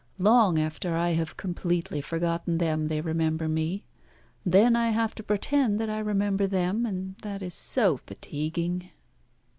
Long after I have completely forgotten them they remember me. Then I have to pretend that I remember them, and that is so fatiguing."